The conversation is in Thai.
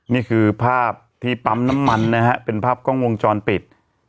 นี่คือภาพที่ปั๊มน้ำมันนะฮะเป็นภาพกล้องวงจรปิด